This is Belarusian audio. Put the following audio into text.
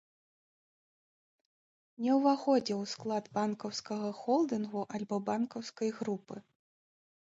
Не ўваходзіў у склад банкаўскага холдынгу, альбо банкаўскай групы.